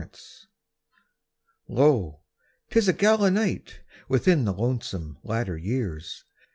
Lo! 'tis a gala night Within the lonesome latter years!